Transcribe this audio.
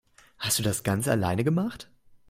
Hast du das ganz alleine gemacht?